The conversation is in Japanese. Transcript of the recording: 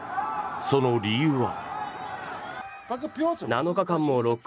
その理由は。